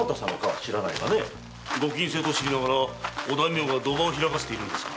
ご禁制と知りながらお大名が賭場を開かせているのですか。